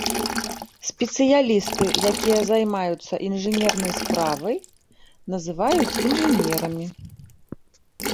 Спецыялісты, які займаюцца інжынернай справай называюць інжынерамі.